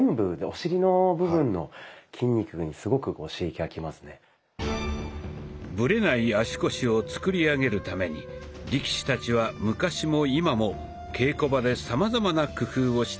でもこの股関節のブレない足腰をつくり上げるために力士たちは昔も今も稽古場でさまざまな工夫をしているんだそうです。